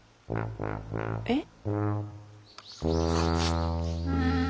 えっ？